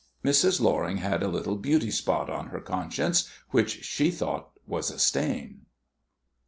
Mrs. Loring had a little beauty spot on her conscience which she thought was a stain.